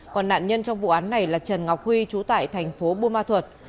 còn nạn nhân trong vụ án này là trần ngọc huy trú tại tp bùi ma thuật